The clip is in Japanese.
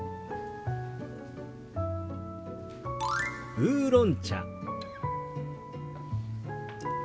「ウーロン茶」。